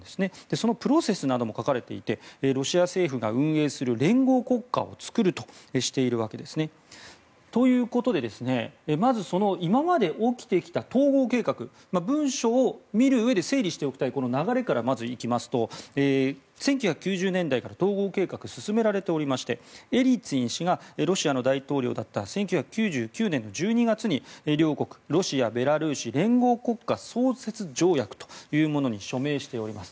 そのプロセスなども書かれていてロシア政府が運営する連合国家を作るとしているわけですね。ということでまず今まで起きてきた統合計画文書を見るうえで整理しておきたい流れからまず、いきますと１９９０年代から統合計画が進められておりましてエリツィン氏がロシアの大統領だった１９９９年の１２月に両国ロシア・ベラルーシ連合国家創設条約というものに署名しております。